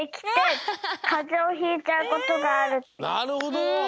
なるほど。